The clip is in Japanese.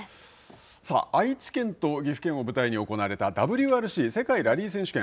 さあ、愛知県と岐阜県を舞台に行われたＷＲＣ＝世界ラリー選手権。